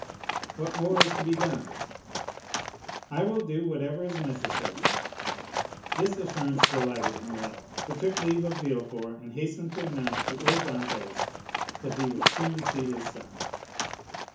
"What more is to be done?" "I will do whatever is necessary." This assurance delighted Morrel, who took leave of Villefort, and hastened to announce to old Dantès that he would soon see his son.